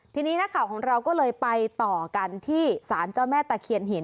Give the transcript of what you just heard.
ทีนี้นักข่าวของเราก็เลยไปต่อกันที่สารเจ้าแม่ตะเคียนหิน